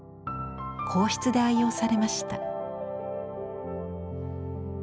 皇室で愛用されました。